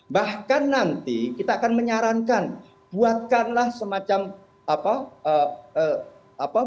bahkan nanti kita akan menyarankan buatkanlah semacam apa